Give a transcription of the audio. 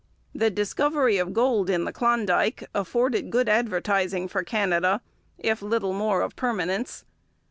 The discovery of gold in the Klondike afforded good advertising for Canada if little more of permanence.